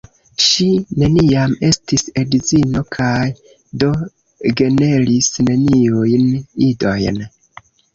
Ŝi neniam estis edzino kaj do generis neniujn idojn.